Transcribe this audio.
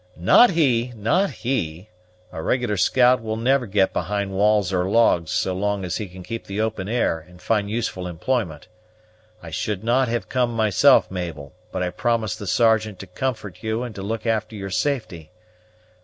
"Not he, not he! A regular scout will never get behind walls or logs so long as he can keep the open air and find useful employment. I should not have come myself, Mabel, but I promised the Sergeant to comfort you and to look after your safety.